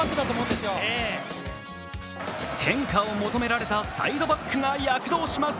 変化を求められたサイドバックが躍動します。